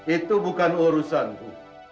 itu bukan urusanku